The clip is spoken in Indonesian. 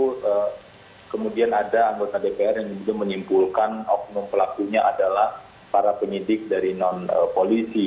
itu kemudian ada anggota dpr yang menimbulkan pelakunya adalah para penyidik dari non polisi